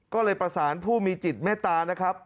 ก็เลยประสานผู้มีจิตเมตตานะครับ